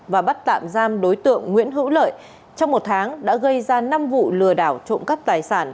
và bắt tạm giam đối tượng nguyễn hữu lợi trong một tháng đã gây ra năm vụ lừa đảo trộm cắp tài sản